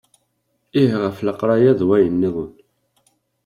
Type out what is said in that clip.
Ih ɣef leqraya d wayen-nniḍen.